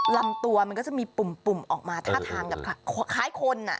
ลำตัวมันก็จะมีปุ่มออกมาท่าทางแบบคล้ายคน